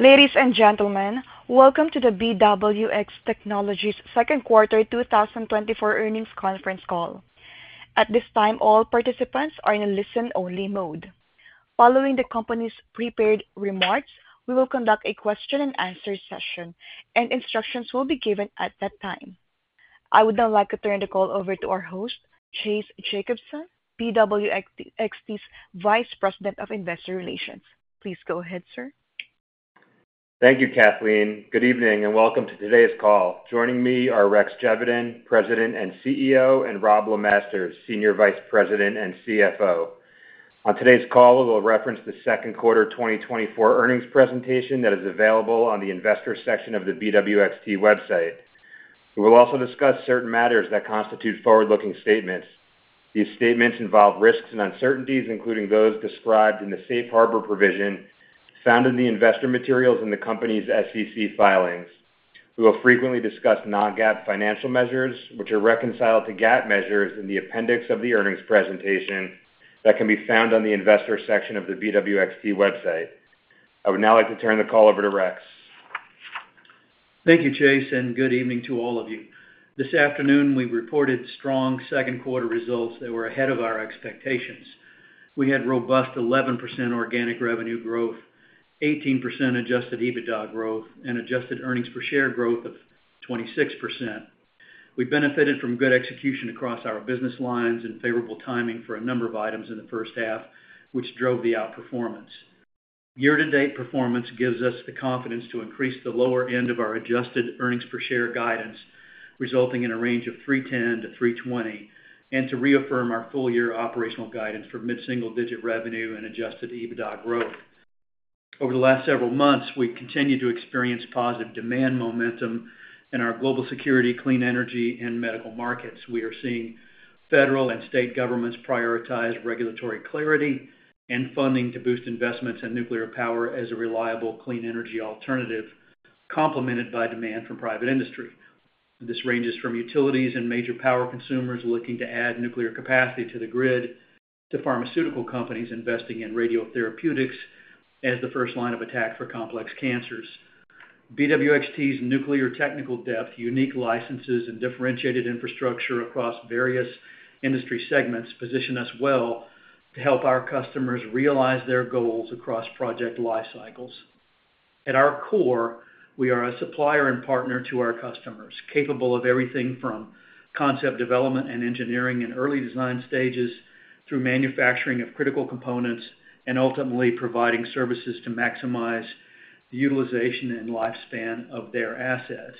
Ladies and gentlemen, welcome to the BWX Technologies second quarter 2024 earnings conference call. At this time, all participants are in a listen-only mode. Following the company's prepared remarks, we will conduct a question-and-answer session, and instructions will be given at that time. I would now like to turn the call over to our host, Chase Jacobson, BWXT's Vice President of Investor Relations. Please go ahead, sir. Thank you, Kathleen. Good evening, and welcome to today's call. Joining me are Rex Geveden, President and CEO, and Robb LeMasters, Senior Vice President and CFO. On today's call, we will reference the second quarter 2024 earnings presentation that is available on the Investor section of the BWXT website. We will also discuss certain matters that constitute forward-looking statements. These statements involve risks and uncertainties, including those described in the safe harbor provision found in the investor materials in the company's SEC filings. We will frequently discuss non-GAAP financial measures, which are reconciled to GAAP measures in the appendix of the earnings presentation that can be found on the investor section of the BWXT website. I would now like to turn the call over to Rex. Thank you, Chase, and good evening to all of you. This afternoon, we reported strong second quarter results that were ahead of our expectations. We had robust 11% organic revenue growth, 18% Adjusted EBITDA growth, and adjusted earnings per share growth of 26%. We benefited from good execution across our business lines and favorable timing for a number of items in the first half, which drove the outperformance. Year-to-date performance gives us the confidence to increase the lower end of our adjusted earnings per share guidance, resulting in a range of $3.10-$3.20, and to reaffirm our full-year operational guidance for mid-single-digit revenue and Adjusted EBITDA growth. Over the last several months, we've continued to experience positive demand momentum in our global security, clean energy, and medical markets. We are seeing federal and state governments prioritize regulatory clarity and funding to boost investments in nuclear power as a reliable, clean energy alternative, complemented by demand from private industry. This ranges from utilities and major power consumers looking to add nuclear capacity to the grid, to pharmaceutical companies investing in radiotherapeutics as the first line of attack for complex cancers. BWXT's nuclear technical depth, unique licenses, and differentiated infrastructure across various industry segments position us well to help our customers realize their goals across project life cycles. At our core, we are a supplier and partner to our customers, capable of everything from concept development and engineering in early design stages, through manufacturing of critical components, and ultimately providing services to maximize the utilization and lifespan of their assets.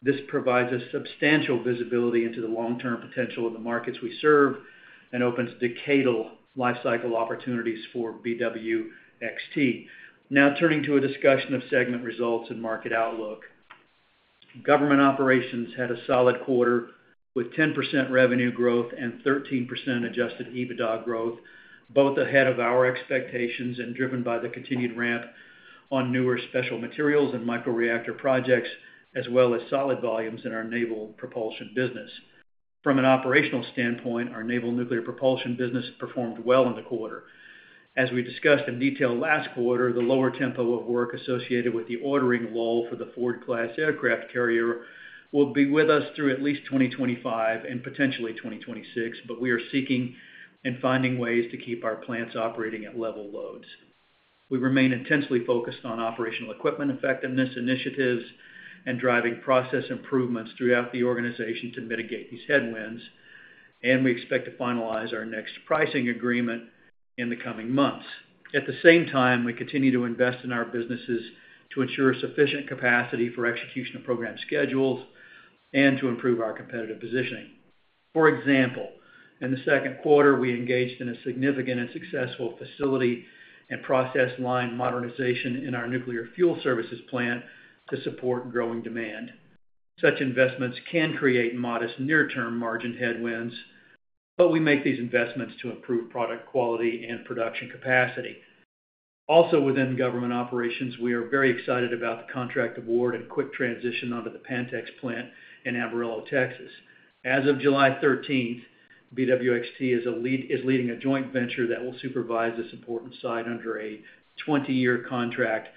This provides us substantial visibility into the long-term potential of the markets we serve and opens decadal lifecycle opportunities for BWXT. Now turning to a discussion of segment results and market outlook. Government operations had a solid quarter, with 10% revenue growth and 13% Adjusted EBITDA growth, both ahead of our expectations and driven by the continued ramp on newer special materials and microreactor projects, as well as solid volumes in our naval propulsion business. From an operational standpoint, our naval nuclear propulsion business performed well in the quarter. As we discussed in detail last quarter, the lower tempo of work associated with the ordering lull for the Ford-class aircraft carrier will be with us through at least 2025 and potentially 2026, but we are seeking and finding ways to keep our plants operating at level loads. We remain intensely focused on operational equipment effectiveness initiatives and driving process improvements throughout the organization to mitigate these headwinds, and we expect to finalize our next pricing agreement in the coming months. At the same time, we continue to invest in our businesses to ensure sufficient capacity for execution of program schedules and to improve our competitive positioning. For example, in the second quarter, we engaged in a significant and successful facility and process line modernization in our Nuclear Fuel Services plant to support growing demand. Such investments can create modest near-term margin headwinds, but we make these investments to improve product quality and production capacity. Also within government operations, we are very excited about the contract award and quick transition onto the Pantex Plant in Amarillo, Texas. As of July 13th, BWXT is leading a joint venture that will supervise this important site under a 20-year contract,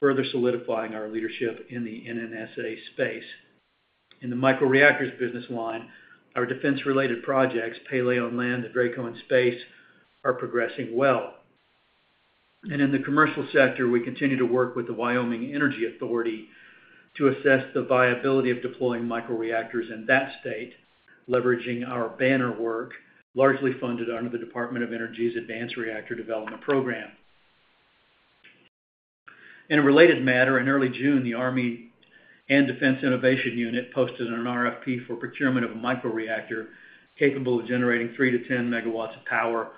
further solidifying our leadership in the NNSA space. In the microreactors business line, our defense-related projects, Project Pele on land and DRACO in space, are progressing well. In the commercial sector, we continue to work with the Wyoming Energy Authority to assess the viability of deploying microreactors in that state, leveraging our BANR work, largely funded under the Department of Energy's Advanced Reactor Development Program. In a related matter, in early June, the U.S. Army and Defense Innovation Unit posted an RFP for procurement of a microreactor capable of generating 3 MW-10 MW of power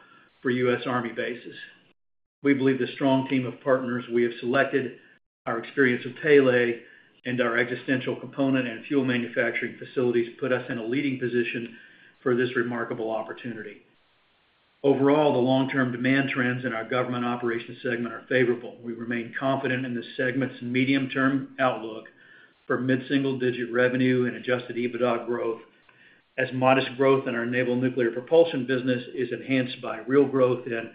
for U.S. Army bases. We believe the strong team of partners we have selected, our experience with Project Pele, and our extensive component and fuel manufacturing facilities put us in a leading position for this remarkable opportunity. Overall, the long-term demand trends in our government operations segment are favorable. We remain confident in this segment's medium-term outlook for mid-single-digit revenue and Adjusted EBITDA growth, as modest growth in our naval nuclear propulsion business is enhanced by real growth in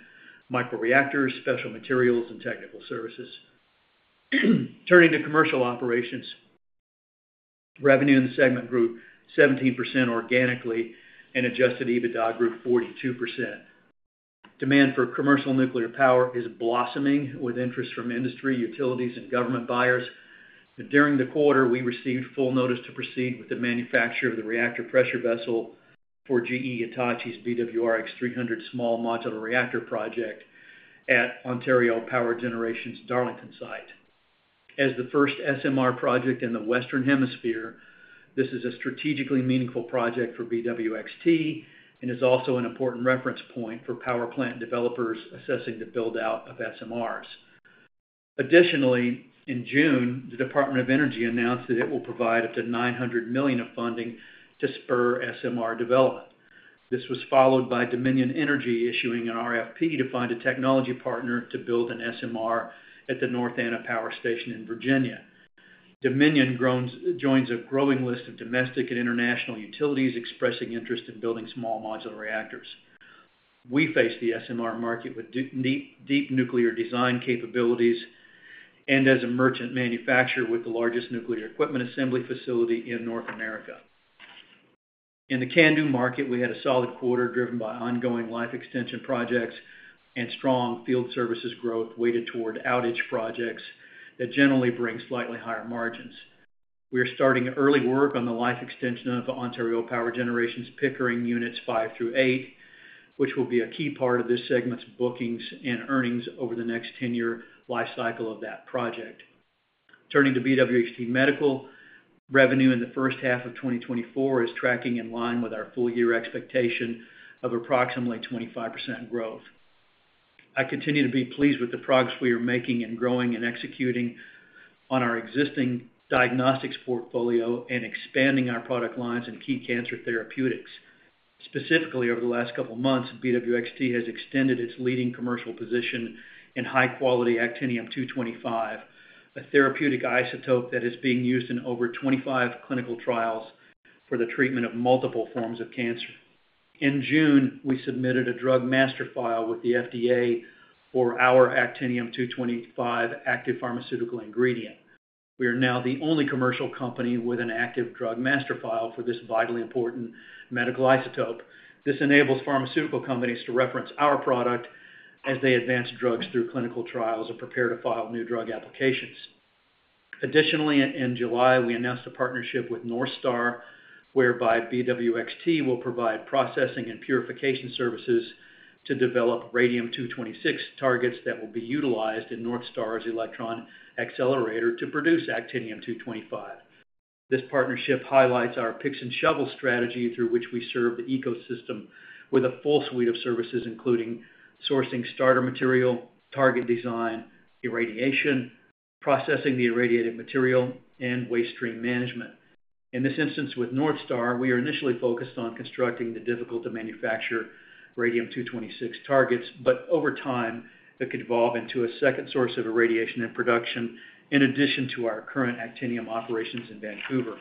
microreactors, special materials, and technical services. Turning to commercial operations, revenue in the segment grew 17% organically, and Adjusted EBITDA grew 42%. Demand for commercial nuclear power is blossoming with interest from industry, utilities, and government buyers. But during the quarter, we received full notice to proceed with the manufacture of the reactor pressure vessel for GE Hitachi's BWRX-300 Small Modular Reactor project at Ontario Power Generation's Darlington site. As the first SMR project in the Western Hemisphere, this is a strategically meaningful project for BWXT and is also an important reference point for power plant developers assessing the build-out of SMRs. Additionally, in June, the Department of Energy announced that it will provide up to $900 million of funding to spur SMR development. This was followed by Dominion Energy issuing an RFP to find a technology partner to build an SMR at the North Anna Power Station in Virginia. Dominion joins a growing list of domestic and international utilities expressing interest in building small modular reactors. We face the SMR market with deep nuclear design capabilities and as a merchant manufacturer with the largest nuclear equipment assembly facility in North America. In the CANDU market, we had a solid quarter, driven by ongoing life extension projects and strong field services growth, weighted toward outage projects that generally bring slightly higher margins. We are starting early work on the life extension of Ontario Power Generation's Pickering Units 5 through 8, which will be a key part of this segment's bookings and earnings over the next 10-year life cycle of that project. Turning to BWXT Medical, revenue in the first half of 2024 is tracking in line with our full-year expectation of approximately 25% growth. I continue to be pleased with the progress we are making in growing and executing on our existing diagnostics portfolio and expanding our product lines in key cancer therapeutics. Specifically, over the last couple of months, BWXT has extended its leading commercial position in high-quality actinium-225, a therapeutic isotope that is being used in over 25 clinical trials for the treatment of multiple forms of cancer. In June, we submitted a drug master file with the FDA for our actinium-225 active pharmaceutical ingredient. We are now the only commercial company with an active drug master file for this vitally important medical isotope. This enables pharmaceutical companies to reference our product as they advance drugs through clinical trials and prepare to file new drug applications. Additionally, in July, we announced a partnership with NorthStar, whereby BWXT will provide processing and purification services to develop radium-226 targets that will be utilized in NorthStar's electron accelerator to produce actinium-225. This partnership highlights our picks and shovel strategy, through which we serve the ecosystem with a full suite of services, including sourcing starter material, target design, irradiation, processing the irradiated material, and waste stream management. In this instance, with NorthStar, we are initially focused on constructing the difficult-to-manufacture radium-226 targets, but over time, that could evolve into a second source of irradiation and production in addition to our current actinium operations in Vancouver.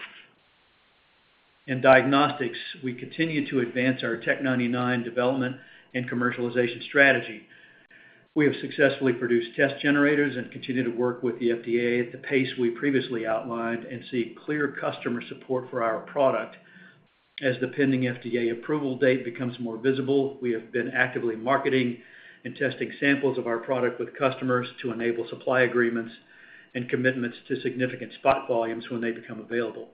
In diagnostics, we continue to advance our Tc-99m development and commercialization strategy. We have successfully produced test generators and continue to work with the FDA at the pace we previously outlined and see clear customer support for our product. As the pending FDA approval date becomes more visible, we have been actively marketing and testing samples of our product with customers to enable supply agreements and commitments to significant spot volumes when they become available.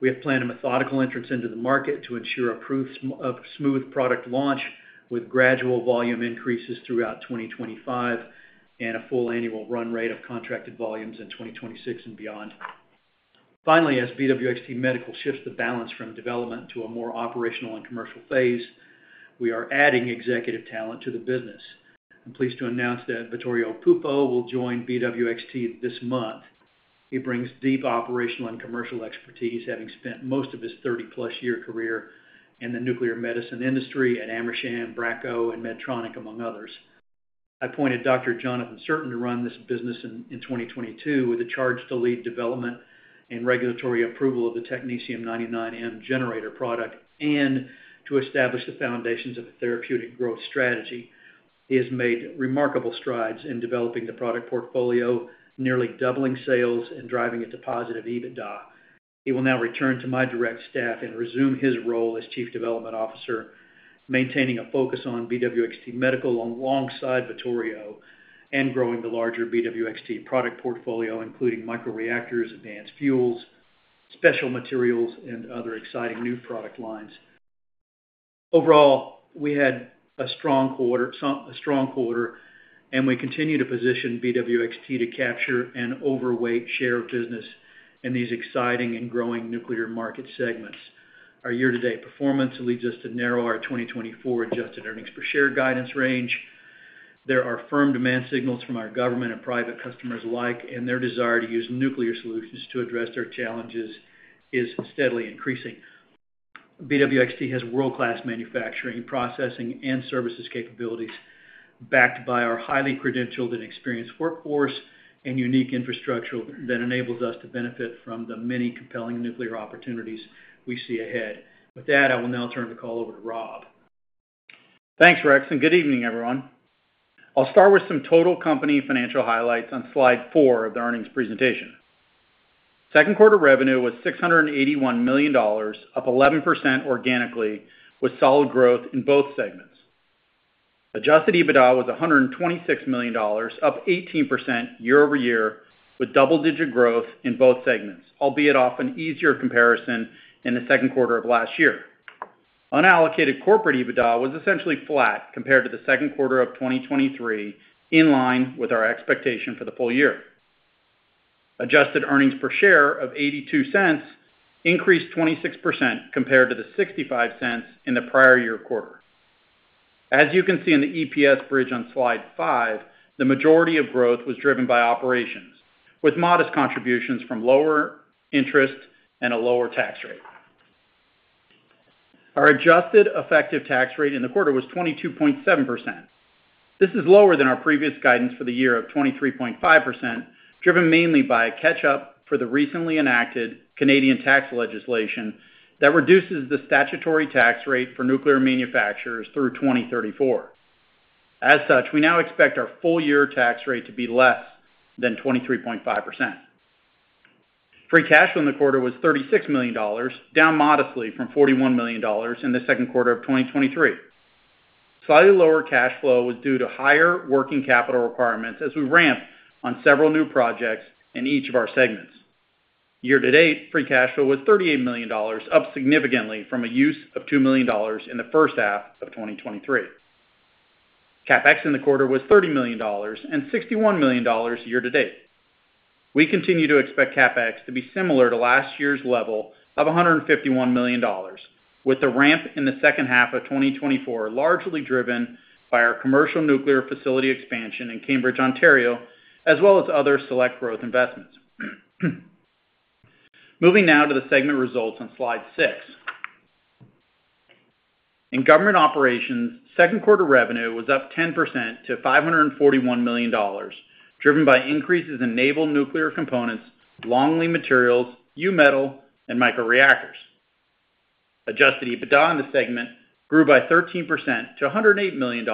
We have planned a methodical entrance into the market to ensure a smooth product launch, with gradual volume increases throughout 2025 and a full annual run rate of contracted volumes in 2026 and beyond. Finally, as BWXT Medical shifts the balance from development to a more operational and commercial phase, we are adding executive talent to the business. I'm pleased to announce that Vittorio Puppo will join BWXT this month. He brings deep operational and commercial expertise, having spent most of his 30+ year career in the nuclear medicine industry at Amersham, Bracco, and Medtronic, among others. I appointed Dr. Jonathan Cirtain to run this business in 2022, with a charge to lead development and regulatory approval of the technetium-99m generator product, and to establish the foundations of a therapeutic growth strategy. He has made remarkable strides in developing the product portfolio, nearly doubling sales and driving it to positive EBITDA. He will now return to my direct staff and resume his role as chief development officer, maintaining a focus on BWXT Medical alongside Vittorio, and growing the larger BWXT product portfolio, including microreactors, advanced fuels, special materials, and other exciting new product lines. Overall, we had a strong quarter, a strong quarter, and we continue to position BWXT to capture an overweight share of business in these exciting and growing nuclear market segments. Our year-to-date performance leads us to narrow our 2024 adjusted earnings per share guidance range. There are firm demand signals from our government and private customers alike, and their desire to use nuclear solutions to address their challenges is steadily increasing. BWXT has world-class manufacturing, processing, and services capabilities, backed by our highly credentialed and experienced workforce and unique infrastructure that enables us to benefit from the many compelling nuclear opportunities we see ahead. With that, I will now turn the call over to Robb.... Thanks, Rex, and good evening, everyone. I'll start with some total company financial highlights on slide four of the earnings presentation. Second quarter revenue was $681 million, up 11% organically, with solid growth in both segments. Adjusted EBITDA was $126 million, up 18% year-over-year, with double-digit growth in both segments, albeit off an easier comparison in the second quarter of last year. Unallocated corporate EBITDA was essentially flat compared to the second quarter of 2023, in line with our expectation for the full-year. Adjusted earnings per share of $0.82 increased 26% compared to the $0.65 in the prior year quarter. As you can see in the EPS bridge on slide five, the majority of growth was driven by operations, with modest contributions from lower interest and a lower tax rate. Our adjusted effective tax rate in the quarter was 22.7%. This is lower than our previous guidance for the year of 23.5%, driven mainly by a catch-up for the recently enacted Canadian tax legislation that reduces the statutory tax rate for nuclear manufacturers through 2034. As such, we now expect our full-year tax rate to be less than 23.5%. Free cash flow in the quarter was $36 million, down modestly from $41 million in the second quarter of 2023. Slightly lower cash flow was due to higher working capital requirements as we ramped on several new projects in each of our segments. Year-to-date, free cash flow was $38 million, up significantly from a use of $2 million in the first half of 2023. CapEx in the quarter was $30 million and $61 million year-to-date. We continue to expect CapEx to be similar to last year's level of $151 million, with a ramp in the second half of 2024, largely driven by our commercial nuclear facility expansion in Cambridge, Ontario, as well as other select growth investments. Moving now to the segment results on slide six. In government operations, second quarter revenue was up 10% to $541 million, driven by increases in naval nuclear components, long-lead materials, U metal, and microreactors. Adjusted EBITDA in the segment grew by 13% to $108 million,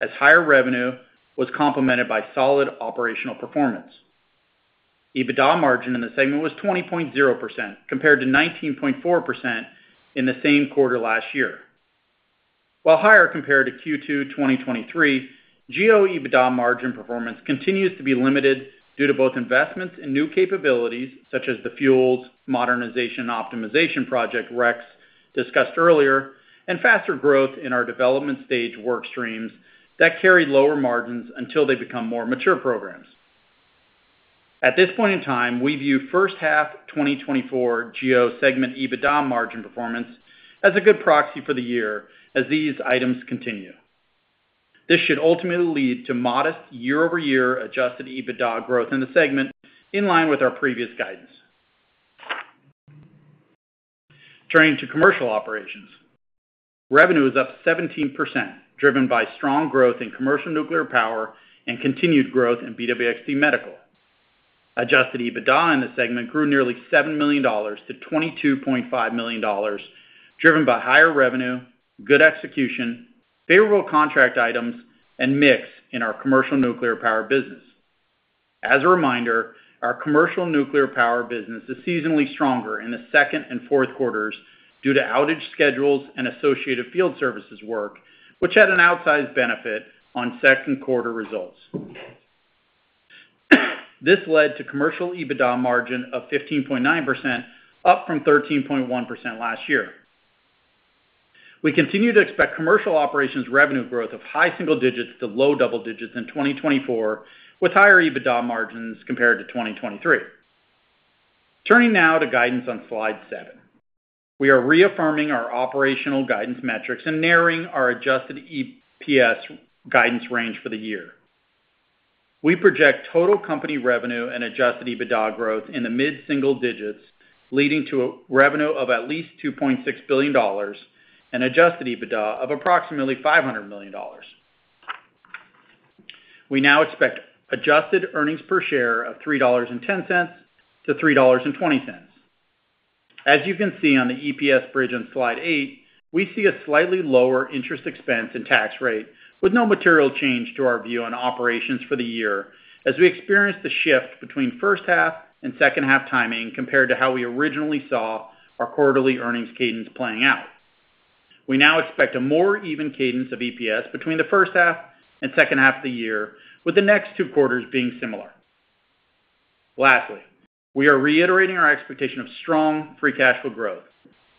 as higher revenue was complemented by solid operational performance. EBITDA margin in the segment was 20.0%, compared to 19.4% in the same quarter last year. While higher compared to Q2 2023, GO EBITDA margin performance continues to be limited due to both investments in new capabilities, such as the fuels modernization optimization project Rex discussed earlier, and faster growth in our development stage work streams that carry lower margins until they become more mature programs. At this point in time, we view first half 2024 GO segment EBITDA margin performance as a good proxy for the year as these items continue. This should ultimately lead to modest year-over-year Adjusted EBITDA growth in the segment, in line with our previous guidance. Turning to commercial operations. Revenue was up 17%, driven by strong growth in commercial nuclear power and continued growth in BWXT Medical. Adjusted EBITDA in the segment grew nearly $7 million to $22.5 million, driven by higher revenue, good execution, favorable contract items, and mix in our commercial nuclear power business. As a reminder, our commercial nuclear power business is seasonally stronger in the second and fourth quarters due to outage schedules and associated field services work, which had an outsized benefit on second quarter results. This led to commercial EBITDA margin of 15.9%, up from 13.1% last year. We continue to expect commercial operations revenue growth of high single digits to low double digits in 2024, with higher EBITDA margins compared to 2023. Turning now to guidance on slide seven. We are reaffirming our operational guidance metrics and narrowing our adjusted EPS guidance range for the year. We project total company revenue and Adjusted EBITDA growth in the mid-single digits, leading to a revenue of at least $2.6 billion and Adjusted EBITDA of approximately $500 million. We now expect adjusted earnings per share of $3.10-$3.20. As you can see on the EPS bridge on slide eight, we see a slightly lower interest expense and tax rate, with no material change to our view on operations for the year, as we experienced a shift between first half and second half timing compared to how we originally saw our quarterly earnings cadence playing out. We now expect a more even cadence of EPS between the first half and second half of the year, with the next two quarters being similar. Lastly, we are reiterating our expectation of strong free cash flow growth.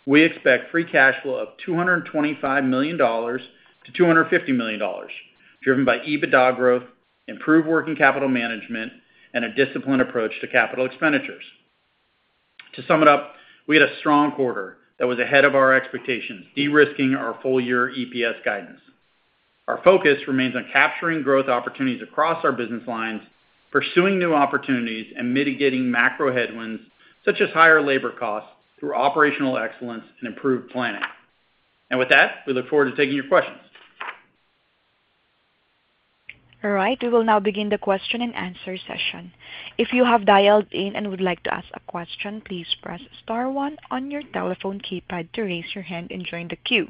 We expect free cash flow of $225 million-$250 million, driven by EBITDA growth, improved working capital management, and a disciplined approach to capital expenditures. To sum it up, we had a strong quarter that was ahead of our expectations, de-risking our full-year EPS guidance. Our focus remains on capturing growth opportunities across our business lines, pursuing new opportunities, and mitigating macro headwinds, such as higher labor costs, through operational excellence and improved planning. With that, we look forward to taking your questions. ... All right, we will now begin the question-and-answer session. If you have dialed in and would like to ask a question, please press star one on your telephone keypad to raise your hand and join the queue.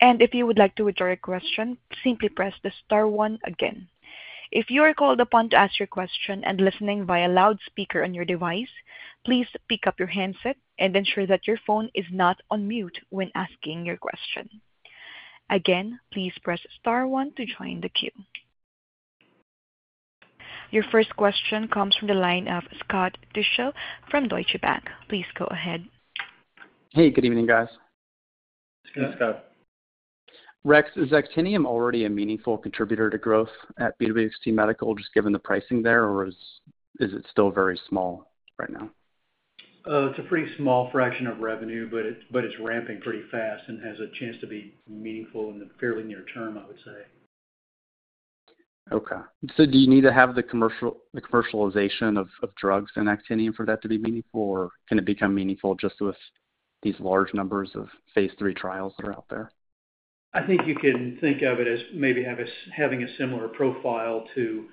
And if you would like to withdraw your question, simply press the star one again. If you are called upon to ask your question and listening via loudspeaker on your device, please pick up your handset and ensure that your phone is not on mute when asking your question. Again, please press star one to join the queue. Your first question comes from the line of Scott Deuschle from Deutsche Bank. Please go ahead. Hey, good evening, guys. Good evening, Scott. Rex, is actinium already a meaningful contributor to growth at BWXT Medical, just given the pricing there, or is it still very small right now? It's a pretty small fraction of revenue, but it's ramping pretty fast and has a chance to be meaningful in the fairly near term, I would say. Okay. So do you need to have the commercial—the commercialization of, of drugs and actinium for that to be meaningful? Or can it become meaningful just with these large numbers of phase three trials that are out there? I think you can think of it as maybe having a similar profile to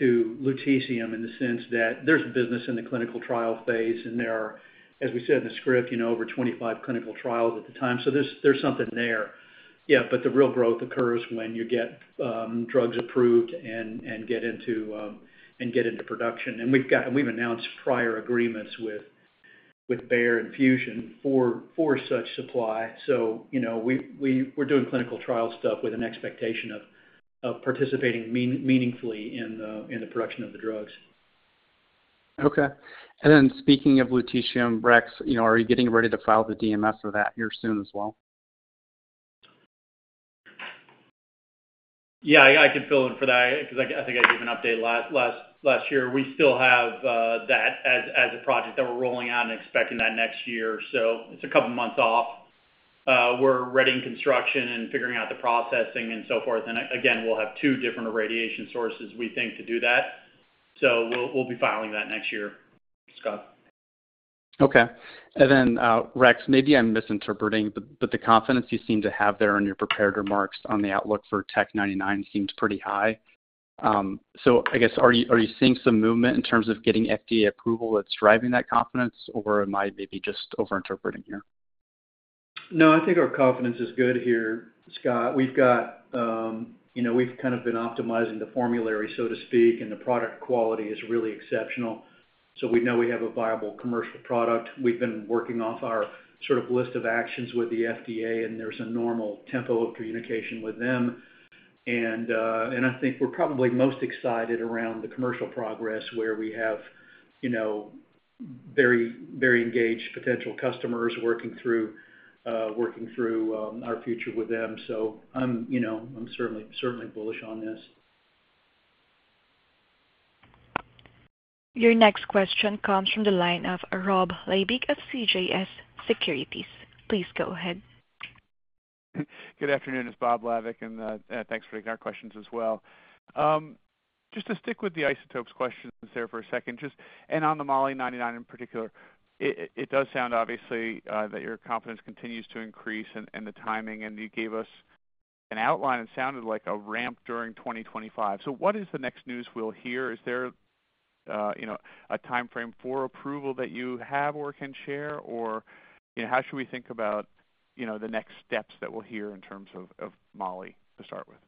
lutetium, in the sense that there's business in the clinical trial phase, and there are, as we said in the script, you know, over 25 clinical trials at the time. So there's something there. Yeah, but the real growth occurs when you get drugs approved and get into production. And we've announced prior agreements with Bayer and Fusion for such supply. So, you know, we're doing clinical trial stuff with an expectation of participating meaningfully in the production of the drugs. Okay. And then speaking of lutetium, Rex, you know, are you getting ready to file the DMF for that year soon as well? Yeah, I can fill in for that because I think I gave an update last year. We still have that as a project that we're rolling out and expecting that next year. So it's a couple of months off. We're readying construction and figuring out the processing and so forth. And again, we'll have two different irradiation sources, we think, to do that. So we'll be filing that next year, Scott. Okay. And then, Rex, maybe I'm misinterpreting, but the confidence you seem to have there on your prepared remarks on the outlook for Tc-99m seems pretty high. So I guess, are you, are you seeing some movement in terms of getting FDA approval that's driving that confidence, or am I maybe just overinterpreting here? No, I think our confidence is good here, Scott. We've got, you know, we've kind of been optimizing the formulary, so to speak, and the product quality is really exceptional. So we know we have a viable commercial product. We've been working off our sort of list of actions with the FDA, and there's a normal tempo of communication with them. And I think we're probably most excited around the commercial progress, where we have, you know, very, very engaged potential customers working through our future with them. So I'm, you know, I'm certainly, certainly bullish on this. Your next question comes from the line of Bob Labick of CJS Securities. Please go ahead. Good afternoon, it's Bob Labick, and thanks for taking our questions as well. Just to stick with the isotopes questions there for a second, just and on the moly-99 in particular, it does sound obviously that your confidence continues to increase and the timing, and you gave us an outline. It sounded like a ramp during 2025. So what is the next news we'll hear? Is there, you know, a timeframe for approval that you have or can share? Or, you know, how should we think about, you know, the next steps that we'll hear in terms of moly, to start with?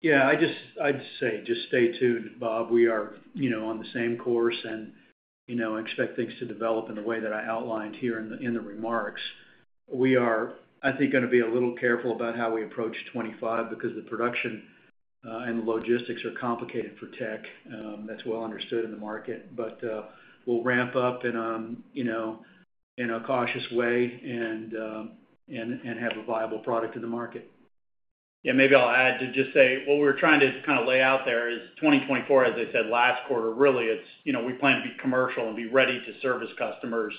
Yeah, I just—I'd say, just stay tuned, Bob. We are, you know, on the same course and, you know, expect things to develop in the way that I outlined here in the, in the remarks. We are, I think, gonna be a little careful about how we approach 2025 because the production and the logistics are complicated for tech, that's well understood in the market. But, we'll ramp up in, you know, in a cautious way and have a viable product in the market. Yeah, maybe I'll add to just say what we're trying to kind of lay out there is 2024, as I said last quarter, really, it's, you know, we plan to be commercial and be ready to service customers,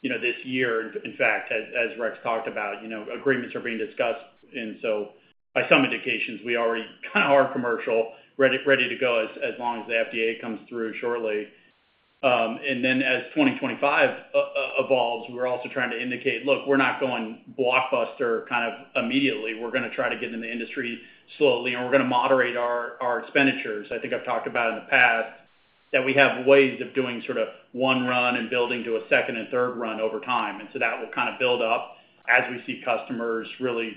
you know, this year. In fact, as, as Rex talked about, you know, agreements are being discussed, and so by some indications, we already kind of are commercial, ready, ready to go as, as long as the FDA comes through shortly. And then as 2025 evolves, we're also trying to indicate, look, we're not going blockbuster kind of immediately. We're gonna try to get in the industry slowly, and we're gonna moderate our, our expenditures. I think I've talked about in the past that we have ways of doing sort of one run and building to a second and third run over time, and so that will kind of build up as we see customers really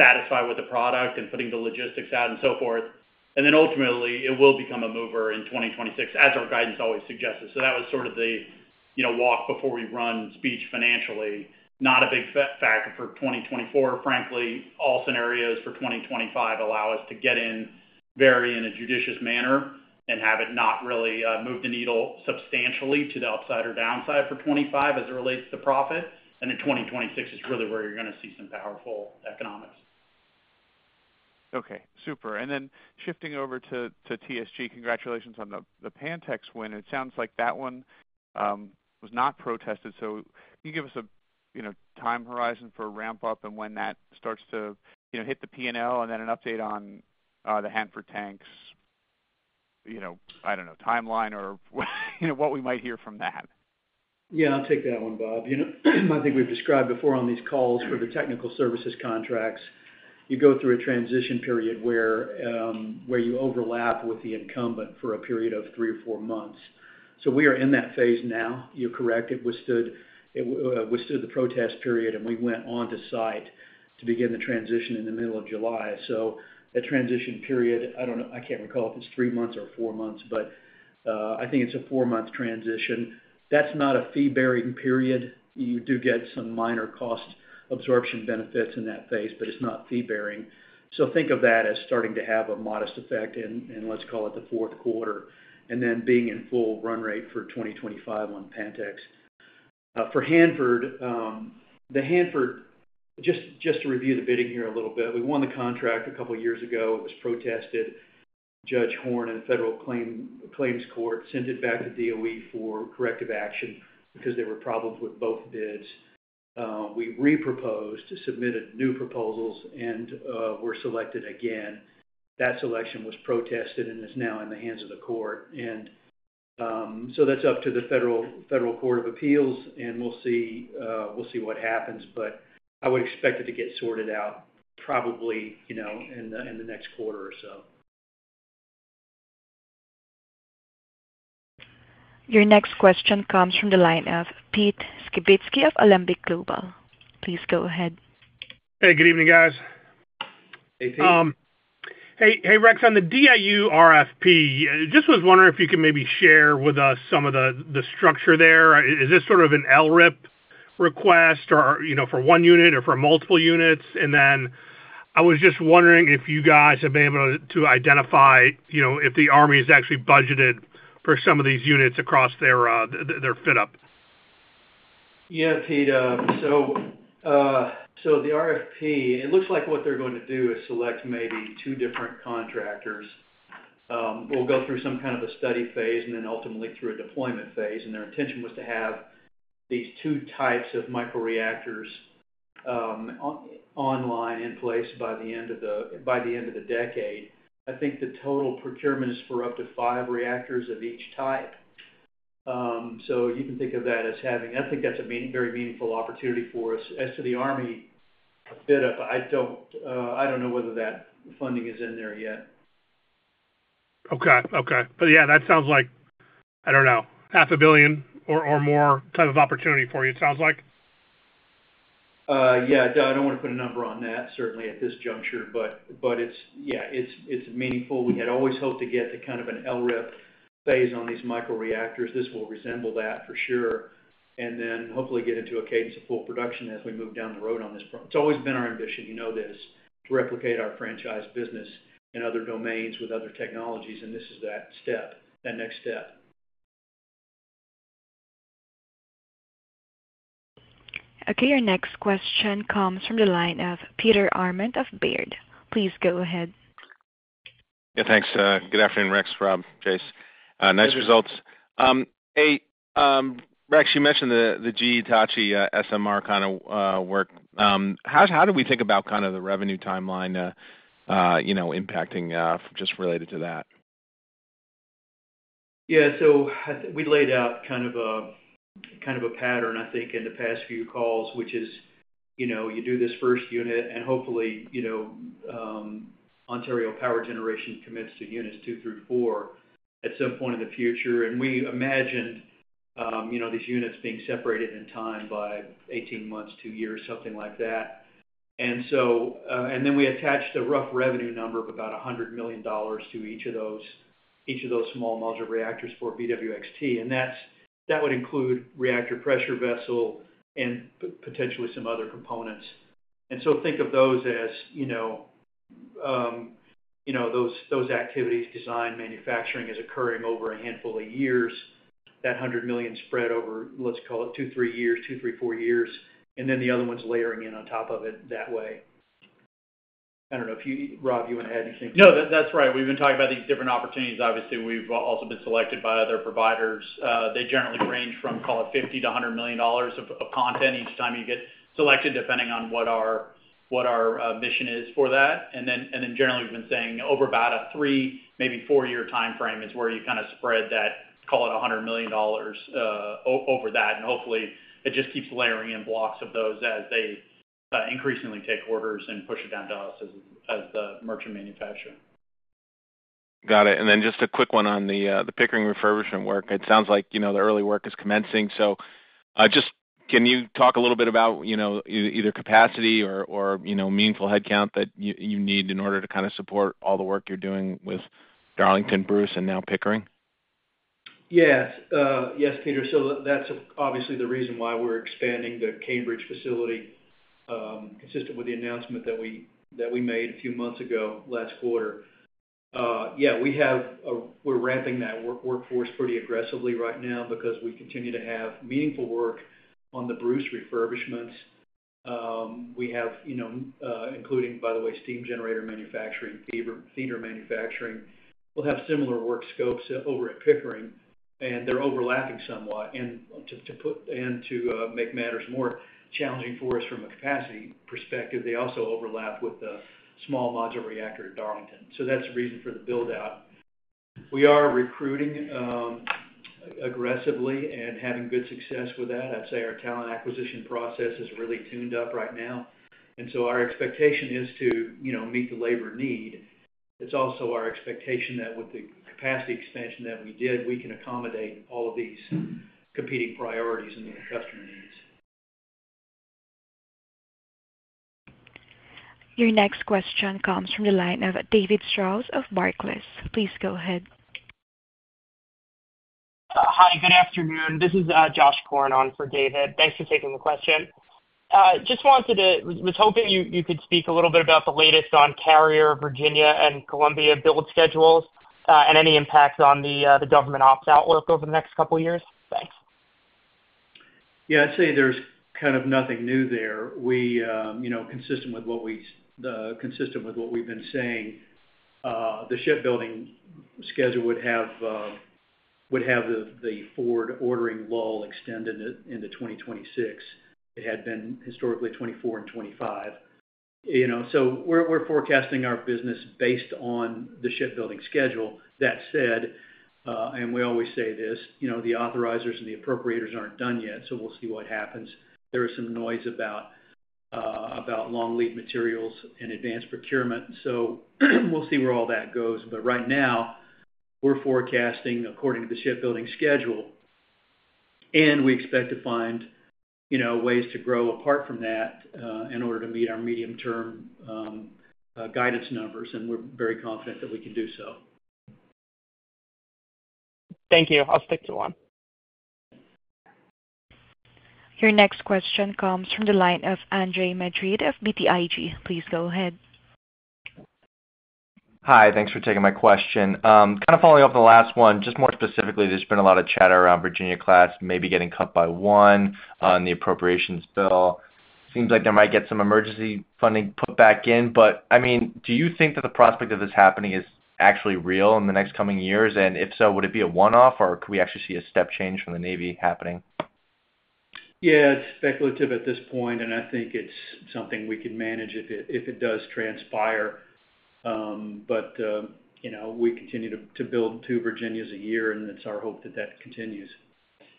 satisfied with the product and putting the logistics out and so forth. And then ultimately, it will become a mover in 2026, as our guidance always suggested. So that was sort of the, you know, walk before we run speech financially. Not a big factor for 2024, frankly. All scenarios for 2025 allow us to get in very in a judicious manner and have it not really move the needle substantially to the upside or downside for 2025 as it relates to profit. And in 2026 is really where you're gonna see some powerful economics. Okay, super. And then shifting over to TSG. Congratulations on the Pantex win. It sounds like that one was not protested, so can you give us a, you know, time horizon for ramp-up and when that starts to, you know, hit the P&L, and then an update on the Hanford tanks, you know, I don't know, timeline or you know, what we might hear from that?... Yeah, I'll take that one, Bob. You know, I think we've described before on these calls for the technical services contracts, you go through a transition period where, where you overlap with the incumbent for a period of three or four months. So we are in that phase now. You're correct, it withstood, it, withstood the protest period, and we went on to site to begin the transition in the middle of July. So that transition period, I don't know—I can't recall if it's three months or four months, but, I think it's a four-month transition. That's not a fee-bearing period. You do get some minor cost absorption benefits in that phase, but it's not fee-bearing. So think of that as starting to have a modest effect in, let's call it, the fourth quarter, and then being in full run rate for 2025 on Pantex. For Hanford, just to review the bidding here a little bit. We won the contract a couple of years ago. It was protested. Judge Horn in the Federal Claims Court sent it back to DOE for corrective action because there were problems with both bids. We reproposed, submitted new proposals, and were selected again. That selection was protested and is now in the hands of the court. So that's up to the Federal Court of Appeals, and we'll see, we'll see what happens, but I would expect it to get sorted out probably, you know, in the next quarter or so. Your next question comes from the line of Pete Skibitski of Alembic Global. Please go ahead. Hey, good evening, guys. Hey, Pete. Hey, hey, Rex, on the DIU RFP, just was wondering if you could maybe share with us some of the structure there. Is this sort of an LRIP request or, you know, for one unit or for multiple units? And then I was just wondering if you guys have been able to identify, you know, if the army is actually budgeted for some of these units across their footprint. Yeah, Pete, so the RFP, it looks like what they're going to do is select maybe two different contractors. We'll go through some kind of a study phase and then ultimately through a deployment phase, and their intention was to have these two types of microreactors online in place by the end of the decade. I think the total procurement is for up to five reactors of each type. So you can think of that as having. I think that's a very meaningful opportunity for us. As to the army fit up, I don't know whether that funding is in there yet. Okay. Okay. But, yeah, that sounds like, I don't know, $500 million or more type of opportunity for you, it sounds like? Yeah, I don't want to put a number on that, certainly at this juncture, but it's meaningful. We had always hoped to get to kind of an LRIP phase on these microreactors. This will resemble that for sure, and then hopefully get into a cadence of full production as we move down the road on this front. It's always been our ambition, you know this, to replicate our franchise business in other domains with other technologies, and this is that step, that next step. Okay, your next question comes from the line of Peter Arment of Baird. Please go ahead. Yeah, thanks. Good afternoon, Rex, Robb, Chase. Nice results. Hey, Rex, you mentioned the GE Hitachi SMR kind of work. How do we think about kind of the revenue timeline, you know, impacting just related to that? Yeah, so we laid out kind of a, kind of a pattern, I think, in the past few calls, which is, you know, you do this first unit and hopefully, you know, Ontario Power Generation commits to units 2 through 4 at some point in the future. And we imagined, you know, these units being separated in time by 18 months, two years, something like that. And so, and then we attached a rough revenue number of about $100 million to each of those, each of those small modular reactors for BWXT, and that's – that would include reactor pressure vessel and potentially some other components. And so think of those as, you know, you know, those, those activities, design, manufacturing, is occurring over a handful of years. That $100 million spread over, let's call it two, three years, two, three, four years, and then the other ones layering in on top of it that way. I don't know if you, Robb, you want to add anything to that? No, that's right. We've been talking about these different opportunities. Obviously, we've also been selected by other providers. They generally range from, call it, $50 million-$100 million of content each time you get selected, depending on what our mission is for that. And then generally, we've been saying over about a three, maybe four-year timeframe is where you kind of spread that, call it $100 million, over that. And hopefully, it just keeps layering in blocks of those as they increasingly take orders and push it down to us as the merchant manufacturer. Got it. And then just a quick one on the Pickering refurbishment work. It sounds like, you know, the early work is commencing. So, just can you talk a little bit about, you know, either capacity or, or, you know, meaningful headcount that you need in order to kind of support all the work you're doing with Darlington, Bruce, and now Pickering? Yes, Peter. So that's obviously the reason why we're expanding the Cambridge facility, consistent with the announcement that we, that we made a few months ago, last quarter. Yeah, we have a—we're ramping that workforce pretty aggressively right now because we continue to have meaningful work on the Bruce refurbishments. We have, you know, including, by the way, steam generator manufacturing, feeder manufacturing. We'll have similar work scopes over at Pickering, and they're overlapping somewhat. And to put—and to make matters more challenging for us from a capacity perspective, they also overlap with the small module reactor at Darlington. So that's the reason for the build-out. We are recruiting aggressively and having good success with that. I'd say our talent acquisition process is really tuned up right now, and so our expectation is to, you know, meet the labor need. It's also our expectation that with the capacity expansion that we did, we can accommodate all of these competing priorities and the customer needs. Your next question comes from the line of David Strauss of Barclays. Please go ahead. Hi, good afternoon. This is Josh Korn on for David. Thanks for taking the question. Just wanted to – was hoping you could speak a little bit about the latest on the Virginia-class and Columbia-class build schedules, and any impact on the government ops outlook over the next couple of years? Thanks. Yeah, I'd say there's kind of nothing new there. We, you know, consistent with what we've been saying, the shipbuilding schedule would have the, the Ford ordering lull extended into 2026. It had been historically 2024 and 2025. You know, so we're, we're forecasting our business based on the shipbuilding schedule. That said, and we always say this, you know, the authorizers and the appropriators aren't done yet, so we'll see what happens. There is some noise about, about long lead materials and advanced procurement, so we'll see where all that goes. But right now, we're forecasting according to the shipbuilding schedule, and we expect to find, you know, ways to grow apart from that, in order to meet our medium-term, guidance numbers, and we're very confident that we can do so. Thank you. I'll stick to one. Your next question comes from the line of Andre Madrid of BTIG. Please go ahead. Hi, thanks for taking my question. Kind of following up on the last one, just more specifically, there's been a lot of chatter around Virginia-class, maybe getting cut by one on the appropriations bill. Seems like there might get some emergency funding put back in, but, I mean, do you think that the prospect of this happening is actually real in the next coming years? And if so, would it be a one-off, or could we actually see a step change from the Navy happening? Yeah, it's speculative at this point, and I think it's something we can manage if it does transpire. But you know, we continue to build two Virginias a year, and it's our hope that that continues.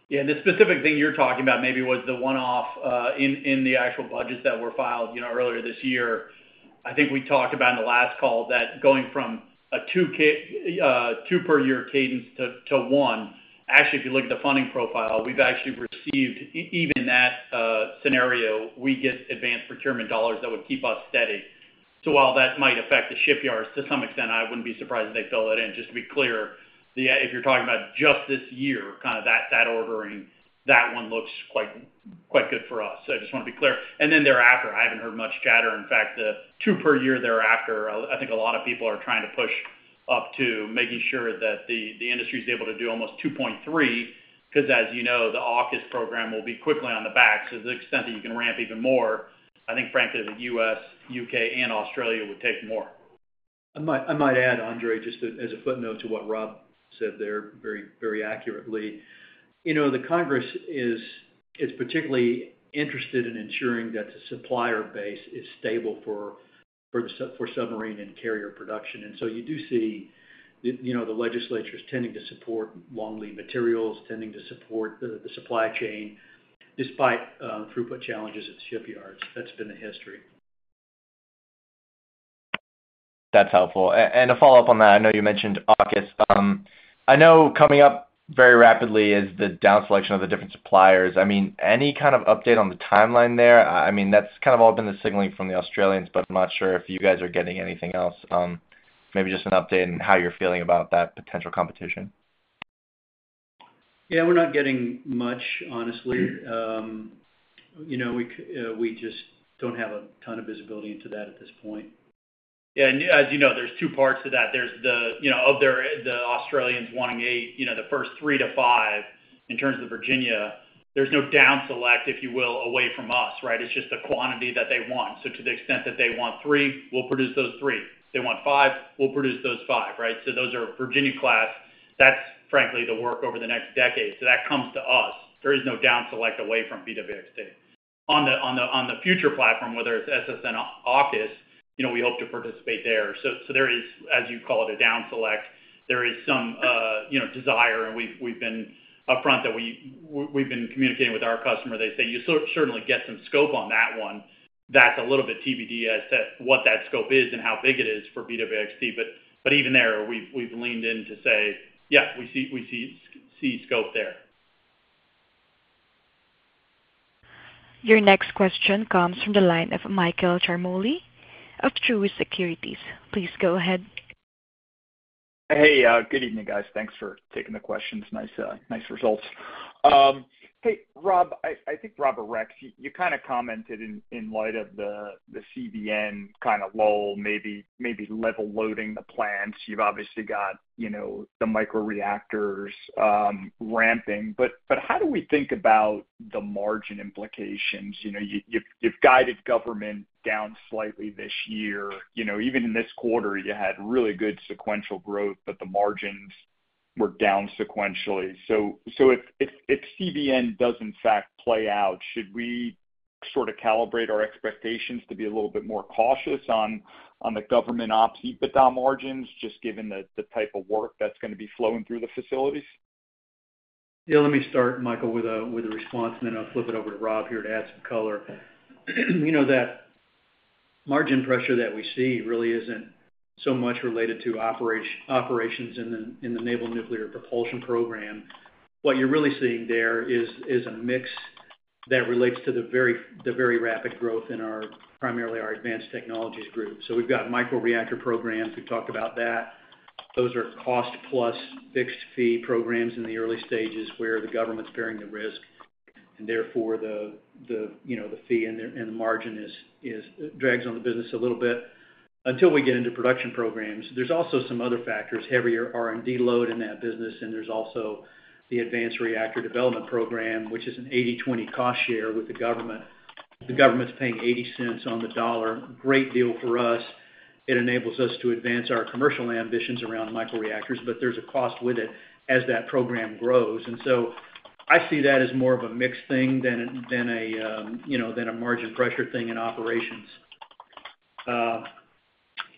Yeah, the specific thing you're talking about maybe was the one-off in the actual budgets that were filed, you know, earlier this year. I think we talked about in the last call, that going from a two per year cadence to one, actually, if you look at the funding profile, we've actually received even that scenario, we get advanced procurement dollars that would keep us steady. So while that might affect the shipyards, to some extent, I wouldn't be surprised if they fill it in. Just to be clear, if you're talking about just this year, kind of that ordering, that one looks quite good for us. So I just want to be clear, and then thereafter, I haven't heard much chatter. In fact, the two per year thereafter, I think a lot of people are trying to push up to making sure that the industry is able to do almost 2.3, because as you know, the AUKUS program will be quickly on the back. So to the extent that you can ramp even more, I think frankly, the U.S., U.K., and Australia would take more. I might, I might add, Andre, just as, as a footnote to what Robb said there, very, very accurately. You know, the Congress is, is particularly interested in ensuring that the supplier base is stable for, for sub- for submarine and carrier production, and so you do see the, you know, the legislature is tending to support long-lead materials, tending to support the, the supply chain, despite, throughput challenges at shipyards. That's been the history. That's helpful. And to follow up on that, I know you mentioned AUKUS. I know coming up very rapidly is the down selection of the different suppliers. I mean, any kind of update on the timeline there? I mean, that's kind of all been the signaling from the Australians, but I'm not sure if you guys are getting anything else. Maybe just an update on how you're feeling about that potential competition. Yeah, we're not getting much, honestly. You know, we just don't have a ton of visibility into that at this point. Yeah, and as you know, there's two parts to that. There's the, you know, the Australians wanting eight, you know, the first three to five, in terms of Virginia, there's no down select, if you will, away from us, right? It's just the quantity that they want. So to the extent that they want three, we'll produce those three. If they want five, we'll produce those five, right? So those are Virginia-class. That's frankly, the work over the next decade. So that comes to us. There is no down select away from BWXT. On the future platform, whether it's SSN AUKUS, you know, we hope to participate there. So there is, as you call it, a down select. There is some, you know, desire, and we've been upfront that we've been communicating with our customer. They say, "You certainly get some scope on that one." That's a little bit TBD as to what that scope is and how big it is for BWXT, but even there, we've leaned in to say, "Yeah, we see scope there. Your next question comes from the line of Michael Ciarmoli of Truist Securities. Please go ahead. Hey, good evening, guys. Thanks for taking the questions. Nice, nice results. Hey, Robb, I think, Robb or Rex, you kind of commented in light of the CVN kind of lull, maybe level loading the plants. You've obviously got, you know, the microreactors ramping, but how do we think about the margin implications? You know, you've guided government down slightly this year. You know, even in this quarter, you had really good sequential growth, but the margins were down sequentially. So if CVN does in fact play out, should we sort of calibrate our expectations to be a little bit more cautious on the government ops EBITDA margins, just given the type of work that's gonna be flowing through the facilities? Yeah, let me start, Michael, with a response, and then I'll flip it over to Robb here to add some color. You know, that margin pressure that we see really isn't so much related to operations in the Naval Nuclear Propulsion program. What you're really seeing there is a mix that relates to the very rapid growth in our, primarily our advanced technologies group. So we've got microreactor programs. We've talked about that. Those are cost plus fixed fee programs in the early stages, where the government's bearing the risk, and therefore, you know, the fee and the margin drags on the business a little bit until we get into production programs. There's also some other factors, heavier R&D load in that business, and there's also the Advanced Reactor Development Program, which is an 80/20 cost share with the government. The government's paying $0.80 on the dollar. Great deal for us. It enables us to advance our commercial ambitions around microreactors, but there's a cost with it as that program grows. And so I see that as more of a mix thing than a, than a, you know, than a margin pressure thing in operations.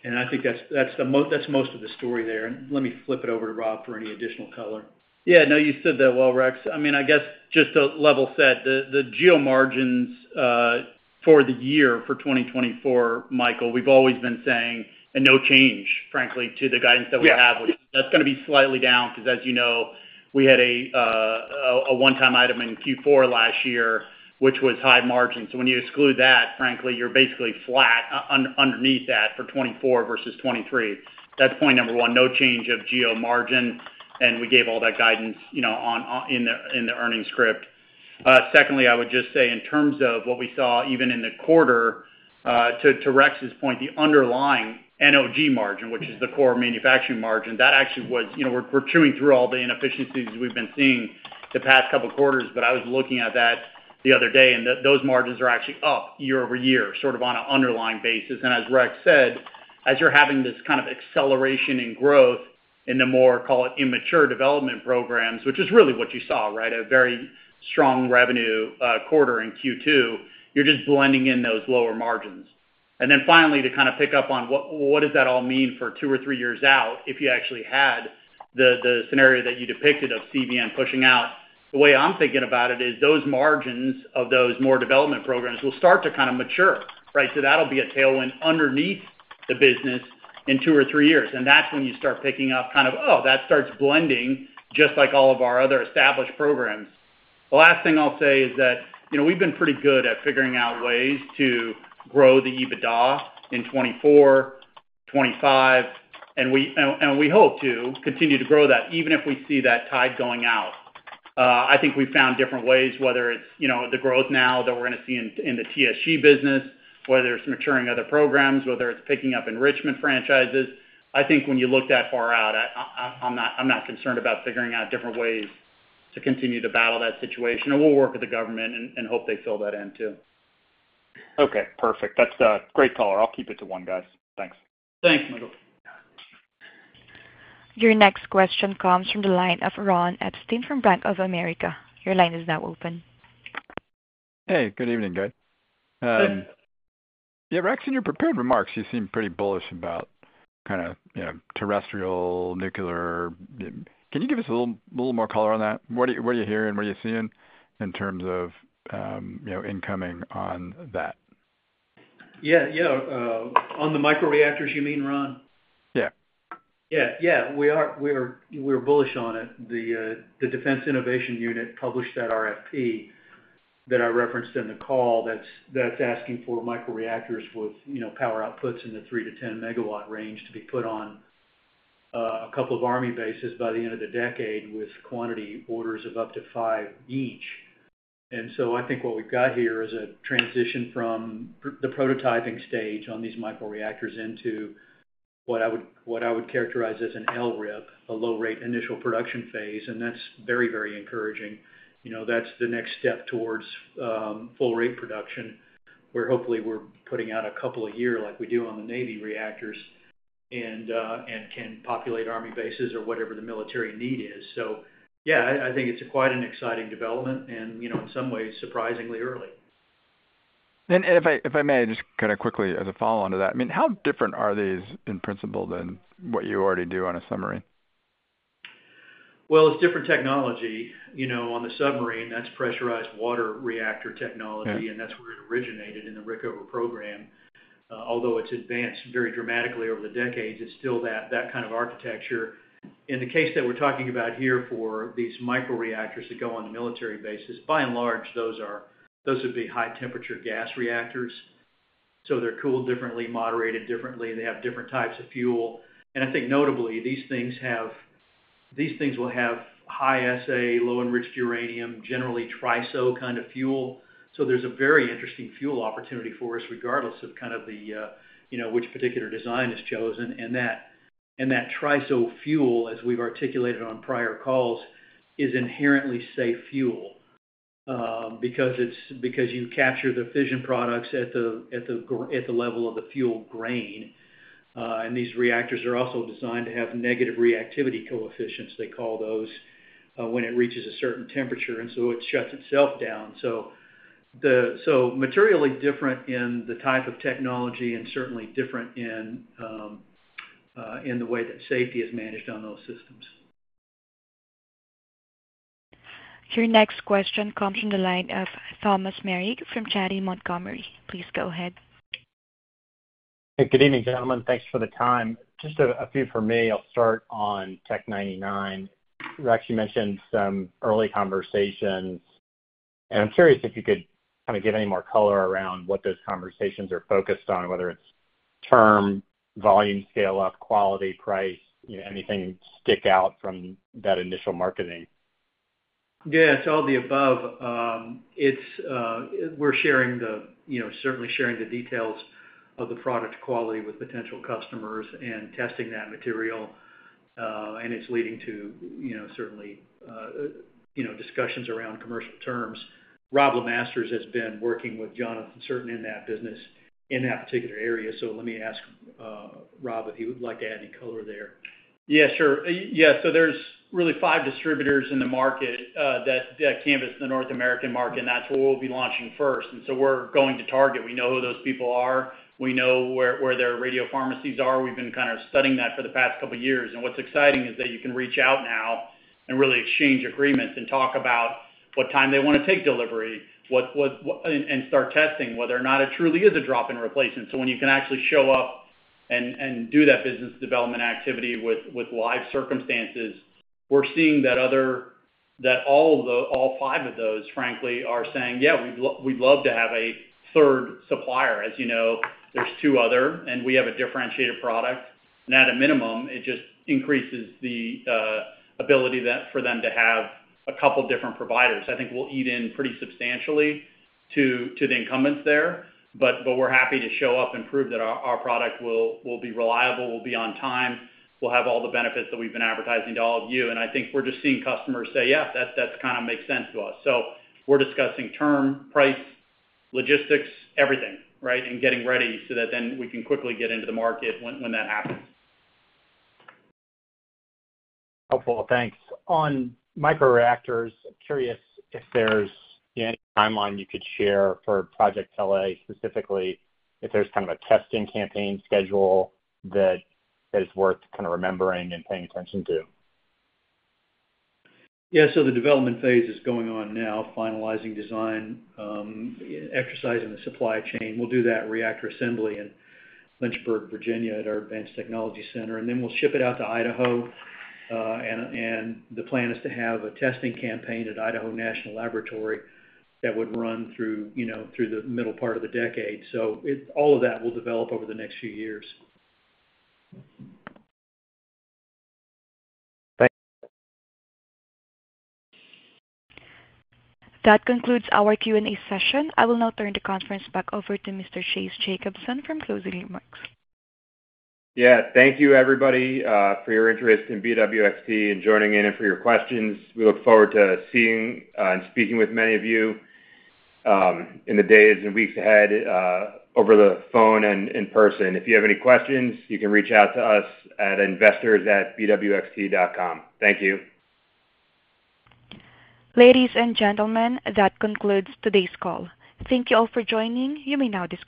And I think that's most of the story there, and let me flip it over to Robb for any additional color. Yeah, no, you said that well, Rex. I mean, I guess just to level set, the GO margins for the year for 2024, Michael, we've always been saying, and no change, frankly, to the guidance that we have. Yeah. That's gonna be slightly down, 'cause as you know, we had a one-time item in Q4 last year, which was high margin. So when you exclude that, frankly, you're basically flat underneath that for 2024 versus 2023. That's point number one, no change of GO margin, and we gave all that guidance, you know, on in the earnings script. Secondly, I would just say in terms of what we saw, even in the quarter, to Rex's point, the underlying NOG margin, which is the core manufacturing margin, that actually was. You know, we're chewing through all the inefficiencies we've been seeing the past couple quarters, but I was looking at that the other day, and those margins are actually up year-over-year, sort of on an underlying basis. As Rex said, as you're having this kind of acceleration in growth in the more, call it, immature development programs, which is really what you saw, right? A very strong revenue quarter in Q2, you're just blending in those lower margins. Then finally, to kind of pick up on what, what does that all mean for two or three years out, if you actually had the, the scenario that you depicted of CVN pushing out? The way I'm thinking about it is, those margins of those more development programs will start to kind of mature, right? So that'll be a tailwind underneath the business in two or three years, and that's when you start picking up kind of, oh, that starts blending, just like all of our other established programs. The last thing I'll say is that, you know, we've been pretty good at figuring out ways to grow the EBITDA in 2024, 2025, and we hope to continue to grow that even if we see that tide going out. I think we've found different ways, whether it's, you know, the growth now that we're gonna see in the TSG business, whether it's maturing other programs, whether it's picking up enrichment franchises. I think when you look that far out, I'm not concerned about figuring out different ways to continue to battle that situation, and we'll work with the government and hope they fill that in, too. Okay, perfect. That's a great color. I'll keep it to one, guys. Thanks. Thanks, Michael. Your next question comes from the line of Ron Epstein from Bank of America. Your line is now open. Hey, good evening, guys. Good. Yeah, Rex, in your prepared remarks, you seem pretty bullish about kind of, you know, terrestrial nuclear. Can you give us a little more color on that? What are you hearing, what are you seeing in terms of, you know, incoming on that? Yeah. Yeah, on the microreactors, you mean, Ron? Yeah. Yeah, yeah. We are, we are, we're bullish on it. The, the Defense Innovation Unit published that RFP that I referenced in the call, that's, that's asking for microreactors with, you know, power outputs in the 3 MW-10 MW range to be put on, a couple of Army bases by the end of the decade, with quantity orders of up to five each. And so I think what we've got here is a transition from the prototyping stage on these microreactors into what I would, what I would characterize as an LRIP, a low-rate initial production phase, and that's very, very encouraging. You know, that's the next step towards full rate production, where hopefully we're putting out a couple a year like we do on the Navy reactors, and, and can populate Army bases or whatever the military need is. So yeah, I think it's quite an exciting development and, you know, in some ways, surprisingly early. If I may, just kind of quickly as a follow-on to that, I mean, how different are these in principle than what you already do on a submarine? Well, it's different technology. You know, on the submarine, that's pressurized water reactor technology- Yeah... and that's where it originated in the Rickover program. Although it's advanced very dramatically over the decades, it's still that, that kind of architecture. In the case that we're talking about here for these microreactors that go on the military bases, by and large, those are, those would be high-temperature gas reactors, so they're cooled differently, moderated differently, they have different types of fuel. And I think notably, these things have, these things will have HALEU, generally TRISO kind of fuel. So there's a very interesting fuel opportunity for us, regardless of kind of the, you know, which particular design is chosen, and that, and that TRISO fuel, as we've articulated on prior calls, is inherently safe fuel... because you capture the fission products at the, at the level of the fuel grain. These reactors are also designed to have negative reactivity coefficients, they call those when it reaches a certain temperature, and so it shuts itself down. So materially different in the type of technology and certainly different in the way that safety is managed on those systems. Your next question comes from the line of Thomas Meric from Janney Montgomery Scott. Please go ahead. Good evening, gentlemen. Thanks for the time. Just a few for me. I'll start on Tc-99m. Rex, you mentioned some early conversations, and I'm curious if you could kind of give any more color around what those conversations are focused on, whether it's term, volume, scale up, quality, price, you know, anything stick out from that initial marketing? Yeah, it's all the above. It's we're sharing the, you know, certainly sharing the details of the product quality with potential customers and testing that material, and it's leading to, you know, certainly, you know, discussions around commercial terms. Robb LeMasters has been working with Jonathan Cirtain in that business, in that particular area. So let me ask, Robb, if he would like to add any color there. Yeah, sure. Yeah, so there's really five distributors in the market that canvassed the North American market, and that's where we'll be launching first. So we're going to target. We know who those people are. We know where their radiopharmacies are. We've been kind of studying that for the past couple of years. And what's exciting is that you can reach out now and really exchange agreements and talk about what time they wanna take delivery, what – and start testing whether or not it truly is a drop-in replacement. So when you can actually show up and do that business development activity with live circumstances, we're seeing that all five of those, frankly, are saying, "Yeah, we'd love to have a third supplier." As you know, there's two other, and we have a differentiated product. And at a minimum, it just increases the ability for them to have a couple different providers. I think we'll eat in pretty substantially to the incumbents there, but we're happy to show up and prove that our product will be reliable, will be on time. We'll have all the benefits that we've been advertising to all of you, and I think we're just seeing customers say, "Yeah, that's kinda makes sense to us." So we're discussing term, price, logistics, everything, right? Getting ready so that then we can quickly get into the market when, when that happens. Helpful, thanks. On microreactors, I'm curious if there's any timeline you could share for Project Pele, specifically, if there's kind of a testing campaign schedule that is worth kind of remembering and paying attention to. Yeah, so the development phase is going on now, finalizing design, exercising the supply chain. We'll do that reactor assembly in Lynchburg, Virginia, at our Advanced Technology Center, and then we'll ship it out to Idaho. And the plan is to have a testing campaign at Idaho National Laboratory that would run through, you know, through the middle part of the decade. So all of that will develop over the next few years. Thank you. That concludes our Q&A session. I will now turn the conference back over to Mr. Chase Jacobson for closing remarks. Yeah, thank you, everybody, for your interest in BWXT, and joining in, and for your questions. We look forward to seeing and speaking with many of you in the days and weeks ahead, over the phone and in person. If you have any questions, you can reach out to us at investors@bwxt.com. Thank you. Ladies and gentlemen, that concludes today's call. Thank you all for joining. You may now disconnect.